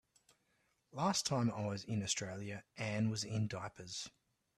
Last time I was in Australia Anne was in diapers.